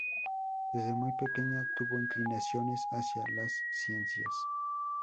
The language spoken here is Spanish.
Desde muy pequeña tuvo inclinaciones hacia las ciencias.